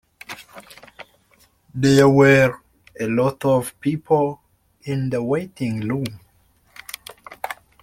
There were a lot of people in the waiting room.